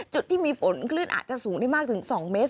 จุดที่มีฝนคลื่นอาจจะสูงได้มากถึง๒เมตร